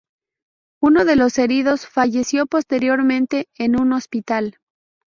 Uno de los heridos falleció posteriormente en un hospital.